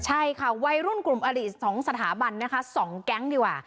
ใช่ค่ะวัยรุ่นกลุ่มอลิ๒สถาบันนะคะ๒แก๊งดีกว่า